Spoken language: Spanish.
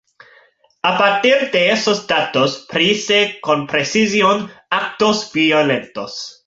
A partir de esos datos predice con precisión actos violentos.